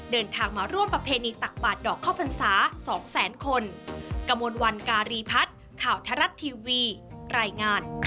เดินทางมาร่วมประเพณีตักบาดดอกข้าวพรรษา๒แสนคน